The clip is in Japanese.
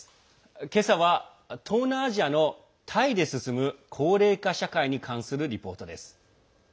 今朝は、東南アジアのタイで進む高齢化社会に関するリポートです。